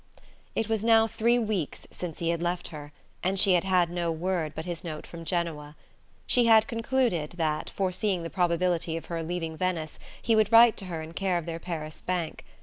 It was now three weeks since he had left her, and she had had no word but his note from Genoa. She had concluded that, foreseeing the probability of her leaving Venice, he would write to her in care of their Paris bank.